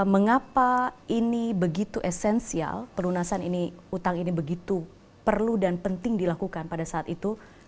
mengapa ini begitu esensial pelunasan utang ini begitu perlu dan penting dilakukan pada saat itu